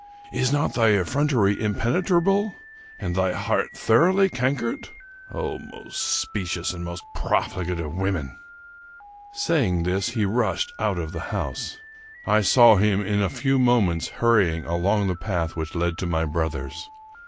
Is not thy effrontery impenetrable and thy heart thoroughly cankered? Oh, most specious and most profligate of women !" Saying this, he rushed out of the house. I saw him in a few moments hurrying along the path which led to my brother's.